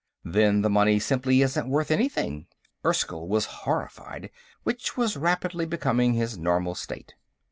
"Then the money simply isn't worth anything!" Erskyll was horrified, which was rapidly becoming his normal state.